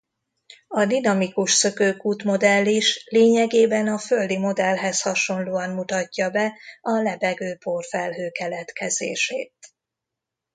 A dinamikusszökőkút-modell is lényegében a Földi-modellhez hasonlóan mutatja be a lebegő porfelhő keletkezését.